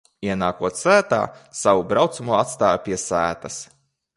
Ienākot sētā, savu braucamo atstāju pie sētas.